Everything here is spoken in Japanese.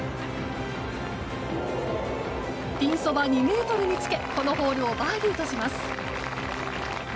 ピンそば２ｍにつけこのホールをバーディーとします。